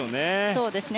そうですね。